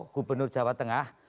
gubernur jawa tengah